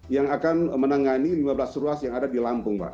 yang akan menangani lima belas ruas yang ada di lampung pak